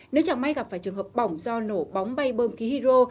nếu chẳng may gặp phải trường hợp bỏng do nổ bóng bay bơm khí hydro